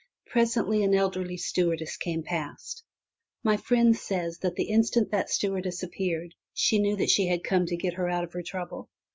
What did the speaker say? Presently an elderly stewardess came past. My friend says 277 MY BOOK HOUSE that the instant that stewardess appeared she knew that she had come to get her out of her trouble.